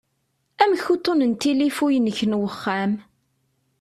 Amek uṭṭun n tilifu-inek n uxxam?